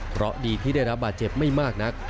เพราะดีที่ได้รับบาดเจ็บไม่มากนัก